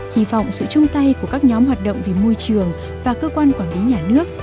hy vọng sự chung tay của các nhóm hoạt động về môi trường và cơ quan quản lý nhà nước